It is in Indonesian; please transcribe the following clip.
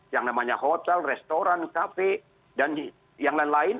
yang namanya hotel restoran kafe dan yang lain lain